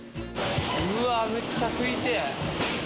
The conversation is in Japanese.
うわー、めっちゃ食いてぇ。